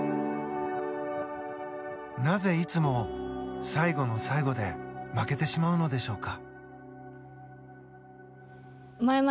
なぜ、いつも最後の最後で負けてしまうのでしょうか？